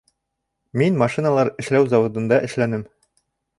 Мин машиналар эшләү заводында эшләнем